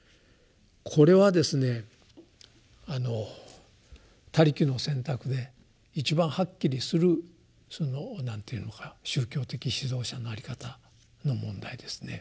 これはですね「他力」の選択で一番はっきりするその何ていうのか宗教的指導者の在り方の問題ですね。